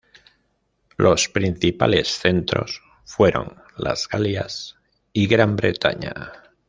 Los principales centros fueron las Galias y Gran Bretaña.